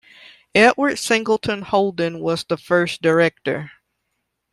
Edward Singleton Holden was the first director.